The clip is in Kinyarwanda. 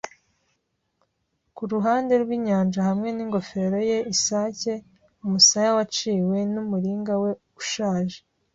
kuruhande rwinyanja hamwe n'ingofero ye isake, umusaya waciwe, n'umuringa we ushaje